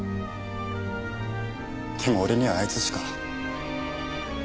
でも俺にはあいつしか。